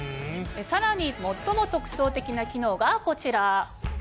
さらに最も特徴的な機能がこちら。